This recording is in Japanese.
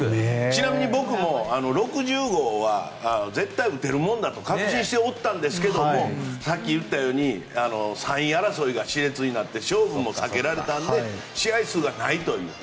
ちなみに僕も６０号は絶対打てるもんだと確信しておったんですがさっき言ったように３位争いが熾烈になって勝負も避けられましたので試合数がないという。